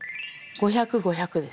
５００５００です。